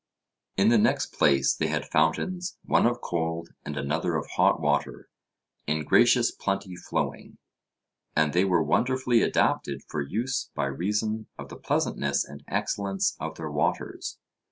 In the next place, they had fountains, one of cold and another of hot water, in gracious plenty flowing; and they were wonderfully adapted for use by reason of the pleasantness and excellence of their waters.